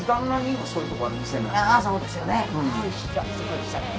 そうですよね。